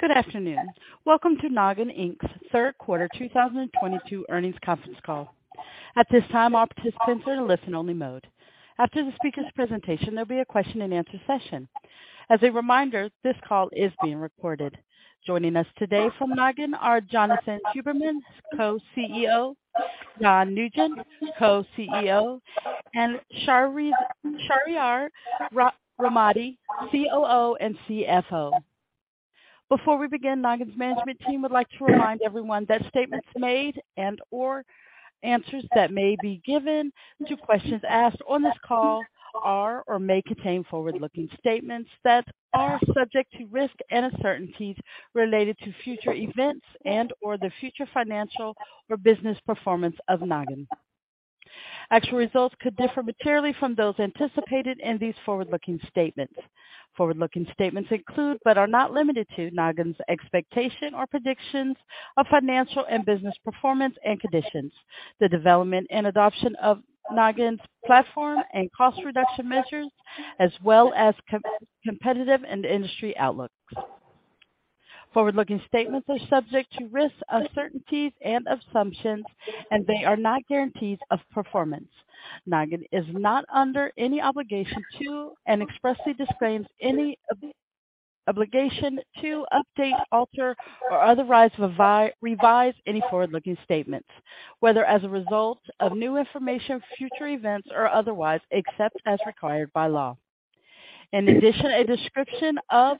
Good afternoon. Welcome to Nogin, Inc's third quarter 2022 earnings conference call. At this time, all participants are in listen only mode. After the speaker's presentation, there'll be a question and answer session. As a reminder, this call is being recorded. Joining us today from Nogin are Jonathan Huberman, Co-CEO, Jan-Christopher Nugent, Co-CEO, and Shahriyar Rahmati, COO and CFO. Before we begin, Nogin's management team would like to remind everyone that statements made and/or answers that may be given to questions asked on this call are or may contain forward-looking statements that are subject to risks and uncertainties related to future events and/or the future financial or business performance of Nogin. Actual results could differ materially from those anticipated in these forward-looking statements. Forward-looking statements include, but are not limited to Nogin's expectation or predictions of financial and business performance and conditions, the development and adoption of Nogin's platform and cost reduction measures, as well as competitive and industry outlooks. Forward-looking statements are subject to risks, uncertainties and assumptions, and they are not guarantees of performance. Nogin is not under any obligation to, and expressly disclaims any obligation to update, alter or otherwise revise any forward-looking statements, whether as a result of new information, future events or otherwise, except as required by law. In addition, a description of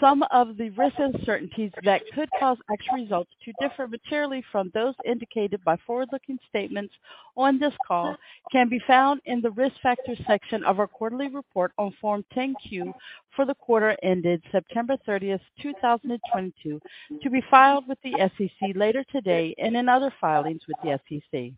some of the risks and uncertainties that could cause actual results to differ materially from those indicated by forward-looking statements on this call can be found in the Risk Factors section of our quarterly report on Form 10-Q for the quarter ended September 30th, 2022, to be filed with the SEC later today and in other filings with the SEC.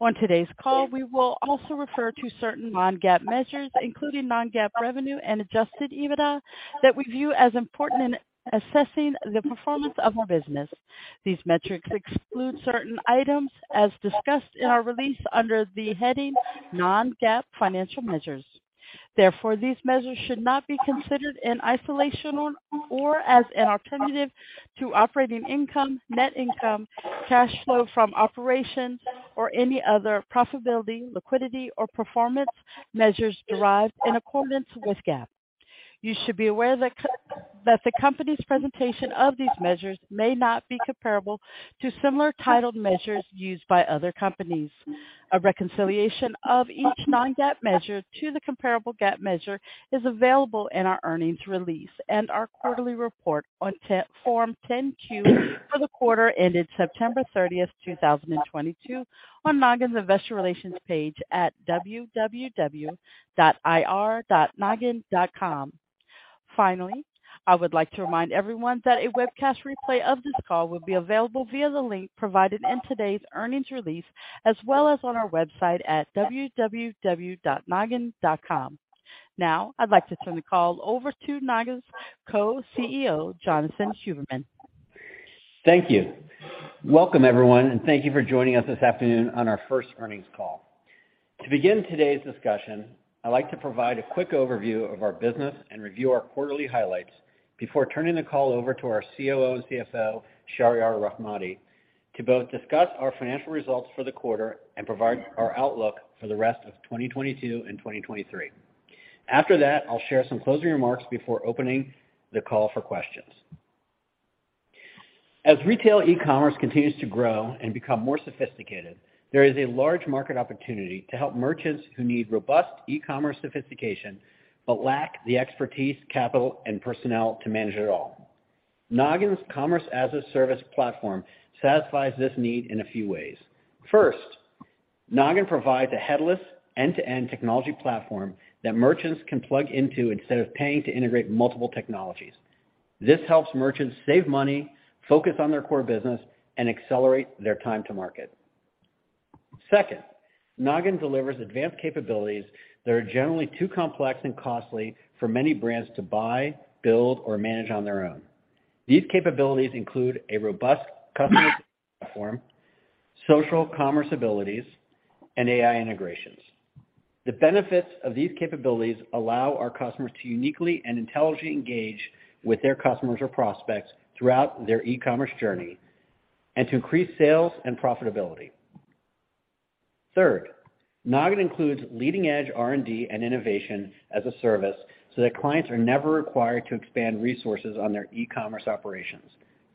On today's call, we will also refer to certain non-GAAP measures, including non-GAAP revenue and Adjusted EBITDA, that we view as important in assessing the performance of our business. These metrics exclude certain items as discussed in our release under the heading Non-GAAP Financial Measures. Therefore, these measures should not be considered in isolation or as an alternative to operating income, net income, cash flow from operations, or any other profitability, liquidity or performance measures derived in accordance with GAAP. You should be aware that that the company's presentation of these measures may not be comparable to similar titled measures used by other companies. A reconciliation of each non-GAAP measure to the comparable GAAP measure is available in our earnings release and our quarterly report on Form 10-Q for the quarter ended September 30th, 2022 on Nogin's Investor Relations page at www.ir.nogin.com. Finally, I would like to remind everyone that a webcast replay of this call will be available via the link provided in today's earnings release, as well as on our website at www.nogin.com. Now, I'd like to turn the call over to Nogin's Co-CEO, Jonathan Huberman. Thank you. Welcome, everyone, and thank you for joining us this afternoon on our first earnings call. To begin today's discussion, I'd like to provide a quick overview of our business and review our quarterly highlights before turning the call over to our COO and CFO, Shahriyar Rahmati, to both discuss our financial results for the quarter and provide our outlook for the rest of 2022 and 2023. After that, I'll share some closing remarks before opening the call for questions. As retail e-commerce continues to grow and become more sophisticated, there is a large market opportunity to help merchants who need robust e-commerce sophistication but lack the expertise, capital and personnel to manage it all. Nogin's Commerce as a Service platform satisfies this need in a few ways. First, Nogin provides a headless end-to-end technology platform that merchants can plug into instead of paying to integrate multiple technologies. This helps merchants save money, focus on their core business, and accelerate their time to market. Second, Nogin delivers advanced capabilities that are generally too complex and costly for many brands to buy, build, or manage on their own. These capabilities include a robust customer platform, social commerce abilities, and AI integrations. The benefits of these capabilities allow our customers to uniquely and intelligently engage with their customers or prospects throughout their e-commerce journey and to increase sales and profitability. Third, Nogin includes leading edge R&D and innovation as a service so that clients are never required to expand resources on their e-commerce operations.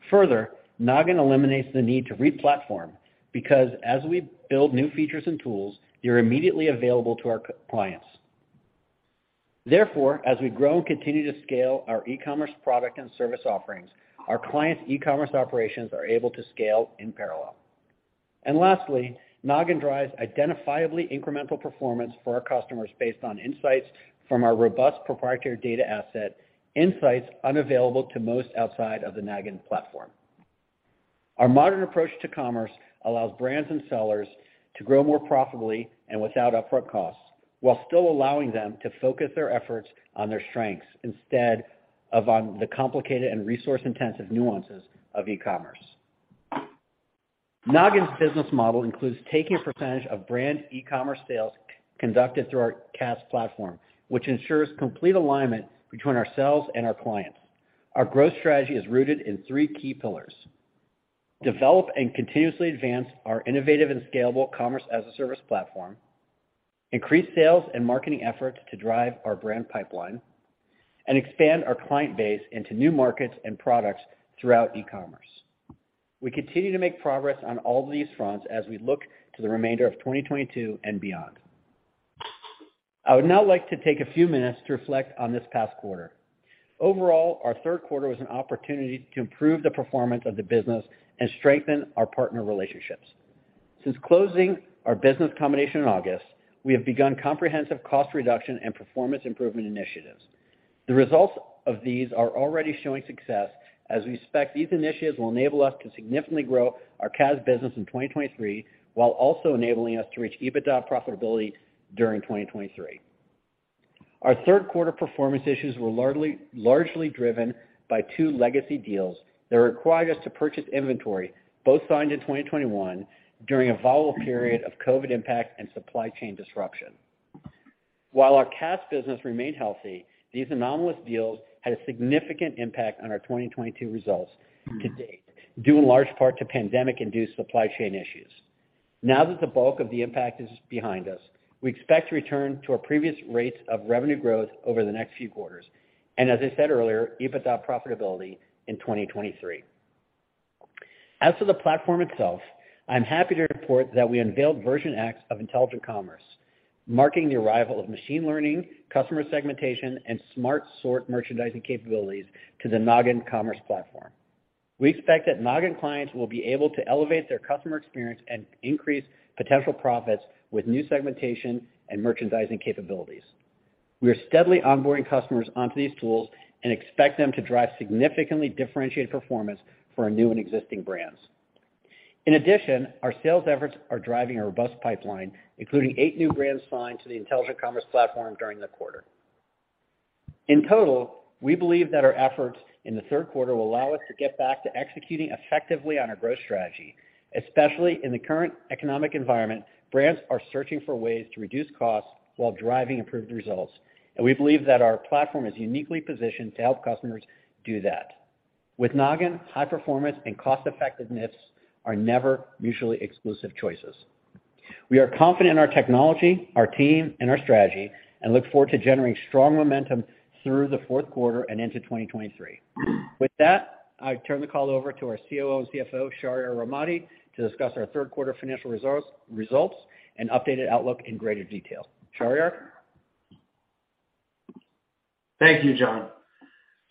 Further, Nogin eliminates the need to re-platform because as we build new features and tools, they're immediately available to our clients. Therefore, as we grow and continue to scale our e-commerce product and service offerings, our clients' e-commerce operations are able to scale in parallel. Lastly, Nogin drives identifiably incremental performance for our customers based on insights from our robust proprietary data asset, insights unavailable to most outside of the Nogin platform. Our modern approach to commerce allows brands and sellers to grow more profitably and without upfront costs, while still allowing them to focus their efforts on their strengths instead of on the complicated and resource-intensive nuances of e-commerce. Nogin's business model includes taking a percentage of brand e-commerce sales conducted through our CaaS platform, which ensures complete alignment between ourselves and our clients. Our growth strategy is rooted in three key pillars, develop and continuously advance our innovative and scalable Commerce-as-a-Service platform, increase sales and marketing efforts to drive our brand pipeline, and expand our client base into new markets and products throughout e-commerce. We continue to make progress on all these fronts as we look to the remainder of 2022 and beyond. I would now like to take a few minutes to reflect on this past quarter. Overall, our third quarter was an opportunity to improve the performance of the business and strengthen our partner relationships. Since closing our business combination in August, we have begun comprehensive cost reduction and performance improvement initiatives. The results of these are already showing success, as we expect these initiatives will enable us to significantly grow our CaaS business in 2023, while also enabling us to reach EBITDA profitability during 2023. Our third quarter performance issues were largely driven by two legacy deals that required us to purchase inventory, both signed in 2021 during a volatile period of COVID impact and supply chain disruption. While our CaaS business remained healthy, these anomalous deals had a significant impact on our 2022 results to date, due in large part to pandemic-induced supply chain issues. Now that the bulk of the impact is behind us, we expect to return to our previous rates of revenue growth over the next few quarters and, as I said earlier, EBITDA profitability in 2023. As for the platform itself, I'm happy to report that we unveiled Version 10 of Intelligent Commerce, marking the arrival of machine learning, customer segmentation, and smart sort merchandising capabilities to the Nogin Commerce platform. We expect that Nogin clients will be able to elevate their customer experience and increase potential profits with new segmentation and merchandising capabilities. We are steadily onboarding customers onto these tools and expect them to drive significantly differentiated performance for our new and existing brands. In addition, our sales efforts are driving a robust pipeline, including eight new brands signed to the Intelligent Commerce platform during the quarter. In total, we believe that our efforts in the third quarter will allow us to get back to executing effectively on our growth strategy. Especially in the current economic environment, brands are searching for ways to reduce costs while driving improved results, and we believe that our platform is uniquely positioned to help customers do that. With Nogin, high performance and cost effectiveness are never mutually exclusive choices. We are confident in our technology, our team, and our strategy, and look forward to generating strong momentum through the fourth quarter and into 2023. With that, I turn the call over to our COO and CFO, Shahriyar Rahmati, to discuss our third quarter financial results and updated outlook in greater detail. Shahriyar? Thank you, Jon.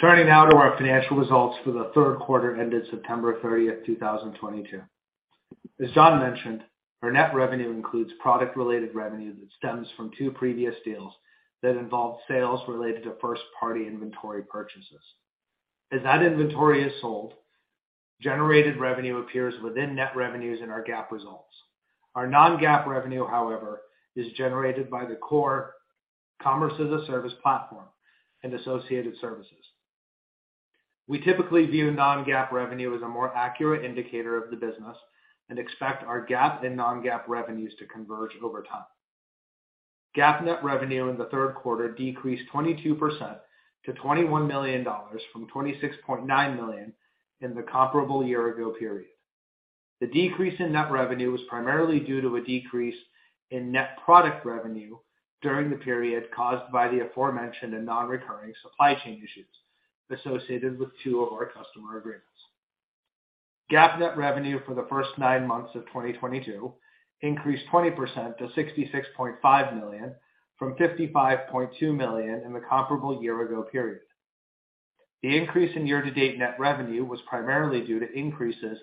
Turning now to our financial results for the third quarter ended September 30th, 2022. As Jon mentioned, our net revenue includes product-related revenue that stems from two previous deals that involved sales related to first-party inventory purchases. As that inventory is sold, generated revenue appears within net revenues in our GAAP results. Our non-GAAP revenue, however, is generated by the core Commerce-as-a-Service platform and associated services. We typically view non-GAAP revenue as a more accurate indicator of the business and expect our GAAP and non-GAAP revenues to converge over time. GAAP net revenue in the third quarter decreased 22% to $21 million from $26.9 million in the comparable year ago period. The decrease in net revenue was primarily due to a decrease in net product revenue during the period caused by the aforementioned and non-recurring supply chain issues associated with two of our customer agreements. GAAP net revenue for the first nine months of 2022 increased 20% to $66.5 million from $55.2 million in the comparable year ago period. The increase in year-to-date net revenue was primarily due to increases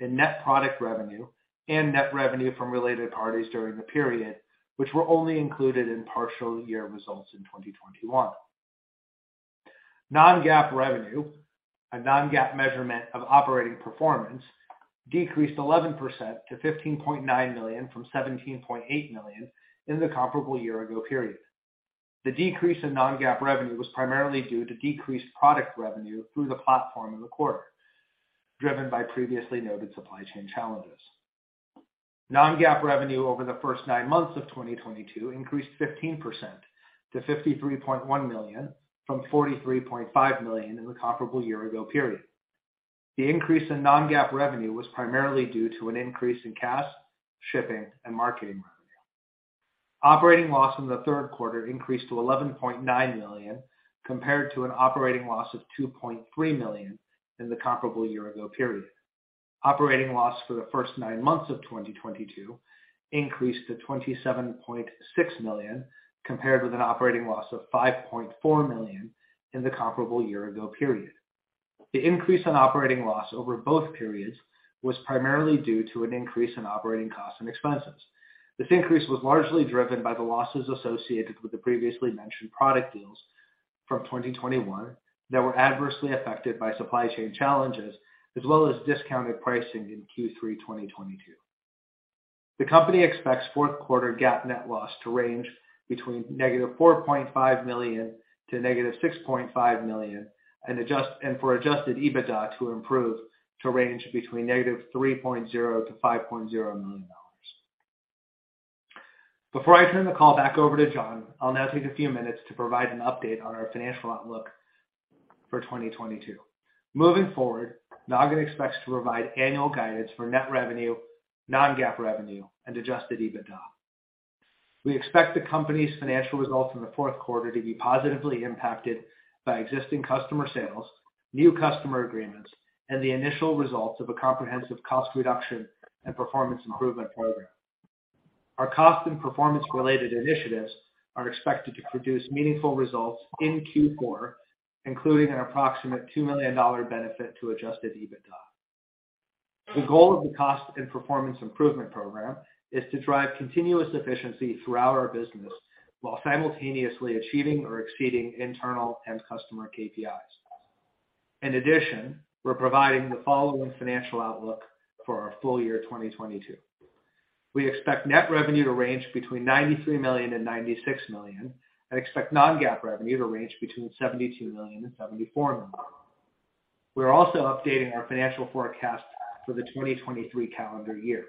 in net product revenue and net revenue from related parties during the period, which were only included in partial year results in 2021. Non-GAAP revenue, a non-GAAP measurement of operating performance, decreased 11% to $15.9 million from $17.8 million in the comparable year ago period. The decrease in non-GAAP revenue was primarily due to decreased product revenue through the platform in the quarter, driven by previously noted supply chain challenges. Non-GAAP revenue over the first nine months of 2022 increased 15% to $53.1 million from $43.5 million in the comparable year-ago period. The increase in non-GAAP revenue was primarily due to an increase in CaaS, shipping, and marketing revenue. Operating loss in the third quarter increased to $11.9 million compared to an operating loss of $2.3 million in the comparable year-ago period. Operating loss for the first nine months of 2022 increased to $27.6 million, compared with an operating loss of $5.4 million in the comparable year-ago period. The increase in operating loss over both periods was primarily due to an increase in operating costs and expenses. This increase was largely driven by the losses associated with the previously mentioned product deals from 2021 that were adversely affected by supply chain challenges, as well as discounted pricing in Q3 2022. The company expects fourth quarter GAAP net loss to range between -$4.5 million and -$6.5 million and for Adjusted EBITDA to improve to range between -$3.0 million and $5.0 million. Before I turn the call back over to Jon, I'll now take a few minutes to provide an update on our financial outlook for 2022. Moving forward, Nogin expects to provide annual guidance for net revenue, non-GAAP revenue, and Adjusted EBITDA. We expect the company's financial results in the fourth quarter to be positively impacted by existing customer sales, new customer agreements, and the initial results of a comprehensive cost reduction and performance improvement program. Our cost and performance-related initiatives are expected to produce meaningful results in Q4, including an approximate $2 million benefit to Adjusted EBITDA. The goal of the cost and performance improvement program is to drive continuous efficiency throughout our business while simultaneously achieving or exceeding internal and customer KPIs. In addition, we're providing the following financial outlook for our full year 2022. We expect net revenue to range between $93 million and $96 million, and expect non-GAAP revenue to range between $72 million and $74 million. We're also updating our financial forecast for the 2023 calendar year.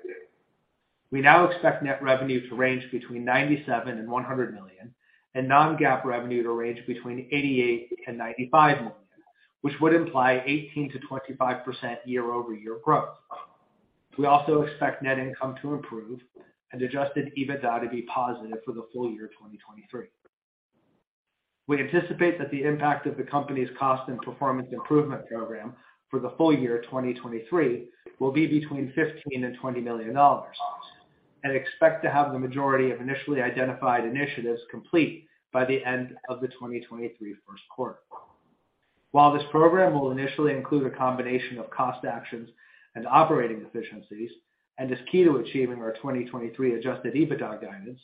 We now expect net revenue to range between $97 million and $100 million, and non-GAAP revenue to range between $88 million and $95 million, which would imply 18%-25% year-over-year growth. We also expect net income to improve and Adjusted EBITDA to be positive for the full year 2023. We anticipate that the impact of the company's cost and performance improvement program for the full year 2023 will be between $15 million and $20 million, and expect to have the majority of initially identified initiatives complete by the end of the 2023 first quarter. While this program will initially include a combination of cost actions and operating efficiencies, and is key to achieving our 2023 Adjusted EBITDA guidance,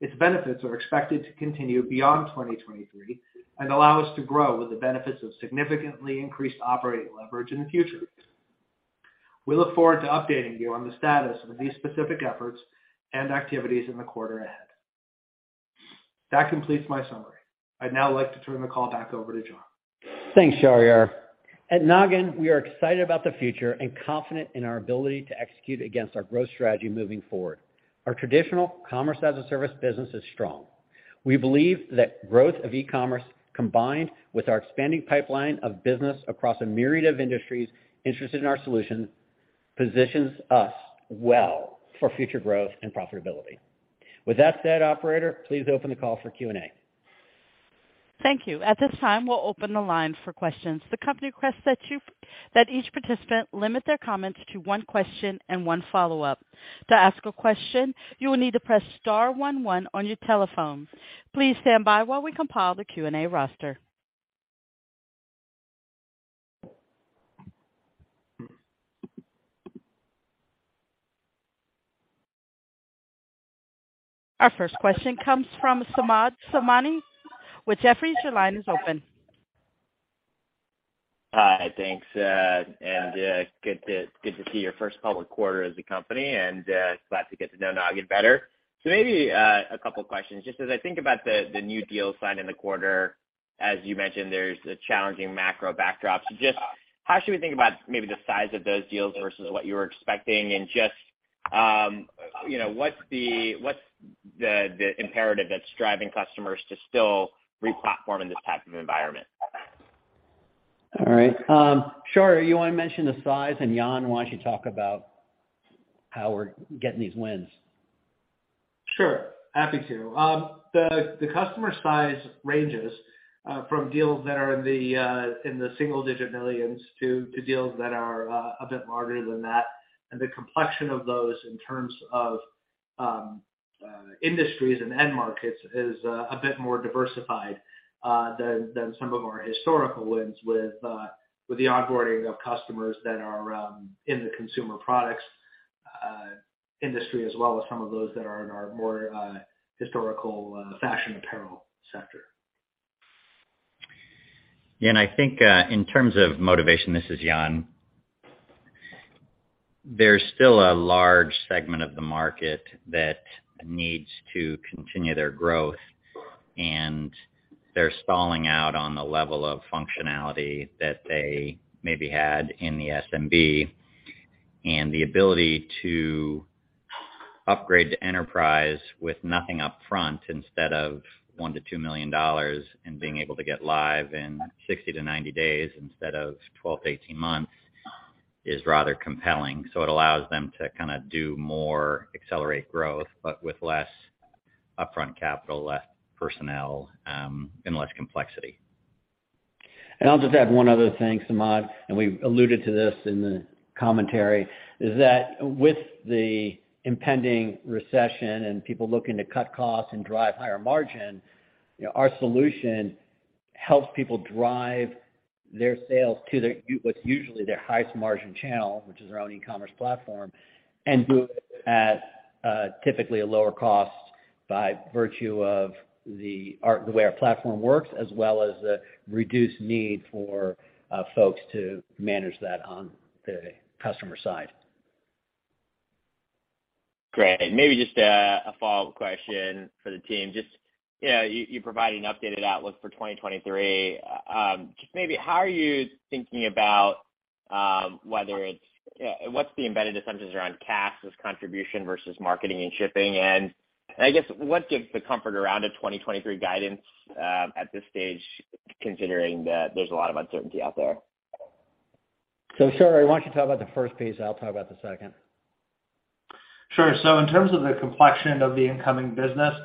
its benefits are expected to continue beyond 2023 and allow us to grow with the benefits of significantly increased operating leverage in the future. We look forward to updating you on the status of these specific efforts and activities in the quarter ahead. That completes my summary. I'd now like to turn the call back over to Jon. Thanks, Shahriyar. At Nogin, we are excited about the future and confident in our ability to execute against our growth strategy moving forward. Our traditional commerce as a service business is strong. We believe that growth of e-commerce, combined with our expanding pipeline of business across a myriad of industries interested in our solution, positions us well for future growth and profitability. With that said, operator, please open the call for Q&A. Thank you. At this time, we'll open the line for questions. The company requests that each participant limit their comments to one question and one follow-up. To ask a question, you will need to press star one one on your telephone. Please stand by while we compile the Q&A roster. Our first question comes from Samad Samana with Jefferies. Your line is open. Hi. Thanks, and good to see your first public quarter as a company and glad to get to know Nogin better. Maybe a couple questions. Just as I think about the new deals signed in the quarter, as you mentioned, there's a challenging macro backdrop. How should we think about maybe the size of those deals versus what you were expecting? Just you know, what's the imperative that's driving customers to still re-platform in this type of environment? All right. Shahriyar, you wanna mention the size and Jan, why don't you talk about how we're getting these wins? Sure. Happy to. The customer size ranges from deals that are in the single-digit millions to deals that are a bit larger than that. The complexion of those in terms of industries and end markets is a bit more diversified than some of our historical wins with the onboarding of customers that are in the consumer products industry, as well as some of those that are in our more historical fashion apparel sector. Yeah. I think in terms of motivation, this is Jan. There's still a large segment of the market that needs to continue their growth, and they're stalling out on the level of functionality that they maybe had in the SMB. The ability to upgrade to enterprise with nothing up front instead of $1 million-$2 million and being able to get live in 60-90 days instead of 12-18 months is rather compelling. It allows them to kinda do more, accelerate growth, but with less upfront capital, less personnel, and less complexity. I'll just add one other thing, Samad, and we alluded to this in the commentary, is that with the impending recession and people looking to cut costs and drive higher margin, you know, our solution helps people drive their sales to their what's usually their highest margin channel, which is their own e-commerce platform, and do it at, typically a lower cost. By virtue of the way our platform works, as well as the reduced need for folks to manage that on the customer side. Great. Maybe just a follow-up question for the team. Just, you know, you provided an updated outlook for 2023. Just maybe how are you thinking about what's the embedded assumptions around CaaS contribution versus marketing and shipping? I guess what gives the comfort around a 2023 guidance, at this stage, considering that there's a lot of uncertainty out there? Shahriyar, why don't you talk about the first piece, I'll talk about the second. Sure. In terms of the complexion of the incoming business, you know,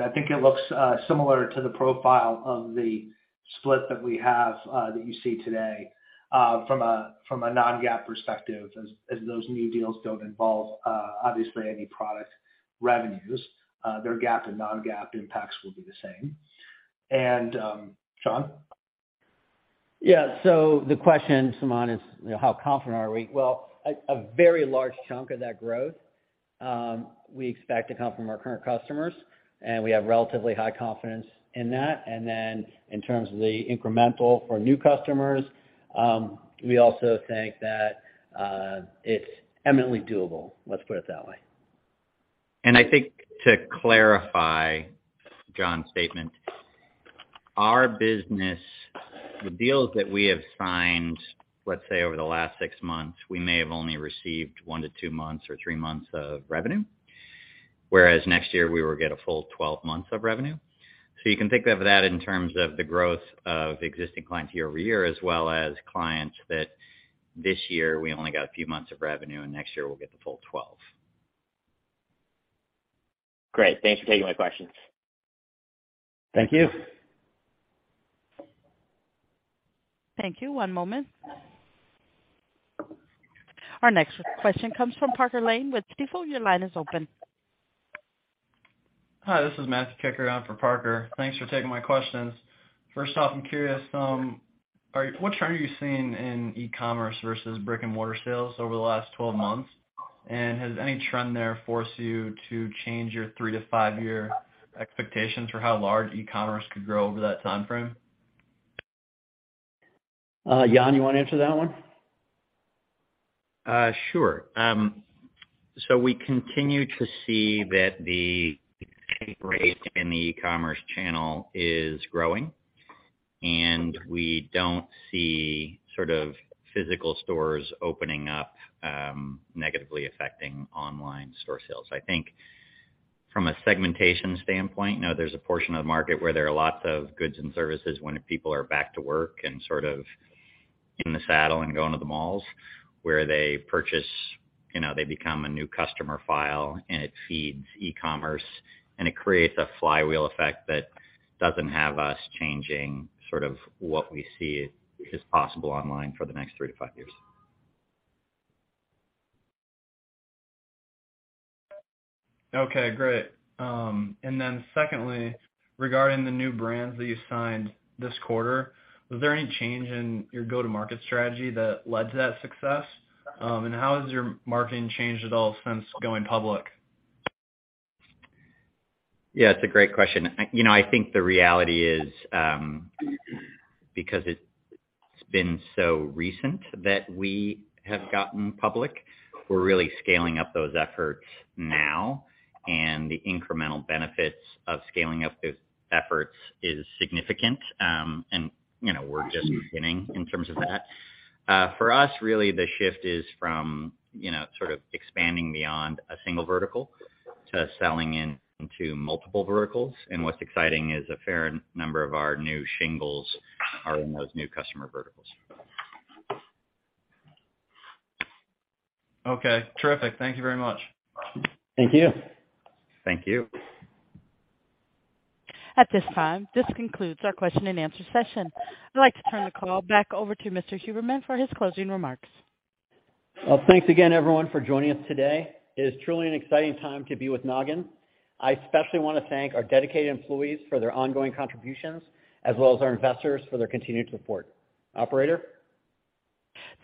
I think it looks similar to the profile of the split that we have that you see today from a non-GAAP perspective, as those new deals don't involve obviously any product revenues. Their GAAP and non-GAAP impacts will be the same. And, Jon? Yeah. The question, Samad, is, you know, how confident are we? Well, a very large chunk of that growth, we expect to come from our current customers, and we have relatively high confidence in that. Then in terms of the incremental for new customers, we also think that, it's eminently doable, let's put it that way. I think to clarify Jon's statement, our business, the deals that we have signed, let's say over the last 6 months, we may have only received 1-2 months or 3 months of revenue, whereas next year we will get a full 12 months of revenue. You can think of that in terms of the growth of existing clients year-over-year, as well as clients that this year we only got a few months of revenue and next year we'll get the full 12. Great. Thanks for taking my questions. Thank you. Thank you. One moment. Our next question comes from Parker Lane with Stifel. Your line is open. Hi, this is Matthew Kikkert on for Parker. Thanks for taking my questions. First off, I'm curious, what trend are you seeing in e-commerce versus brick-and-mortar sales over the last 12 months? Has any trend there forced you to change your 3 to 5-year expectations for how large e-commerce could grow over that timeframe? Jan, you wanna answer that one? Sure. We continue to see that the take rate in the e-commerce channel is growing, and we don't see sort of physical stores opening up, negatively affecting online store sales. I think from a segmentation standpoint, now there's a portion of the market where there are lots of goods and services when people are back to work and sort of in the saddle and going to the malls where they purchase, you know, they become a new customer file and it feeds e-commerce and it creates a flywheel effect that doesn't have us changing sort of what we see is possible online for the next three to five years. Okay, great. Secondly, regarding the new brands that you signed this quarter, was there any change in your go-to-market strategy that led to that success? How has your marketing changed at all since going public? Yeah, it's a great question. You know, I think the reality is, because it's been so recent that we have gotten public, we're really scaling up those efforts now, and the incremental benefits of scaling up those efforts is significant. You know, we're just beginning in terms of that. For us, really the shift is from, you know, sort of expanding beyond a single vertical to selling into multiple verticals. What's exciting is a fair number of our new signings are in those new customer verticals. Okay, terrific. Thank you very much. Thank you. Thank you. At this time, this concludes our question and answer session. I'd like to turn the call back over to Mr. Huberman for his closing remarks. Well, thanks again everyone for joining us today. It is truly an exciting time to be with Nogin. I especially wanna thank our dedicated employees for their ongoing contributions as well as our investors for their continued support. Operator.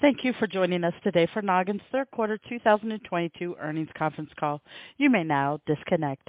Thank you for joining us today for Nogin's third quarter 2022 earnings conference call. You may now disconnect.